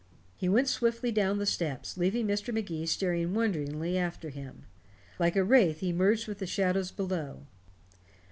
He went swiftly down the steps, leaving Mr. Magee staring wonderingly after him. Like a wraith he merged with the shadows below.